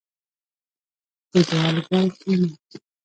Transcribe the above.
• د دعا لپاره کښېنه.